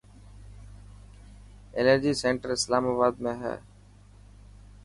ايلرجي سينٽر اسلامآباد ۾ هي.